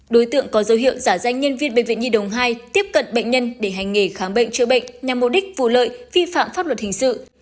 đối tượng có dấu hiệu giả danh nhân viên bệnh viện nhi đồng hai tiếp cận bệnh nhân để hành nghề khám bệnh chữa bệnh nhằm mục đích vụ lợi vi phạm pháp luật hình sự